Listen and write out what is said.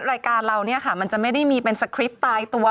รายการเราเนี่ยค่ะมันจะไม่ได้มีเป็นสคริปต์ตายตัว